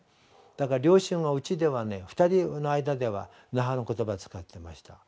だから両親はうちでは２人の間では那覇の言葉使ってました。